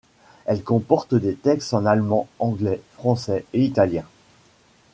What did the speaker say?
Elle comporte des textes en allemand, anglais, français et italien.